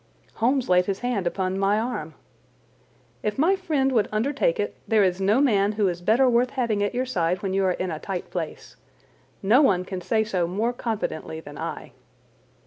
Holmes laid his hand upon my arm. "If my friend would undertake it there is no man who is better worth having at your side when you are in a tight place. No one can say so more confidently than I."